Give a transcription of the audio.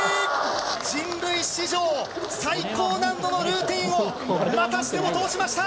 人類史上最高難度のルーティンをまたしても通しました。